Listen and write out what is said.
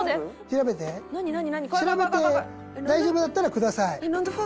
調べて大丈夫だったらください。